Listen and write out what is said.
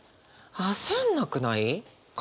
焦んなくないか？